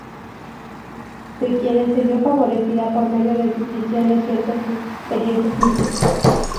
De quienes se vio favorecida por medio de visiones y otras experiencias místicas.